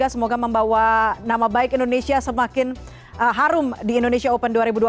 semoga membawa nama baik indonesia semakin harum di indonesia open dua ribu dua puluh